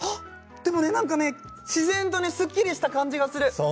でもね、なんか自然とすっきりした感じがする。